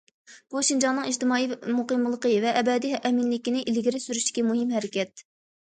بۇ، شىنجاڭنىڭ ئىجتىمائىي مۇقىملىقى ۋە ئەبەدىي ئەمىنلىكىنى ئىلگىرى سۈرۈشتىكى مۇھىم ھەرىكەت.